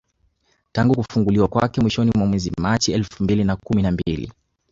Tangu kufunguliwa kwake mwishoni mwa mwezi Machi elfu mbili na kumi na mbili